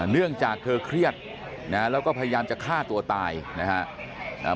เนื่องจากเธอเครียดนะแล้วก็พยายามจะฆ่าตัวตายนะฮะ